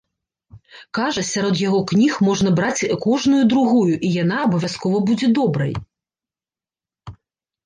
Кажа, сярод яго кніг можна браць кожную другую, і яна абавязкова будзе добрай.